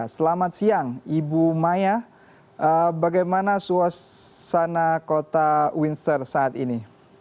selamat siang ibu maya bagaimana suasana kota windsor saat ini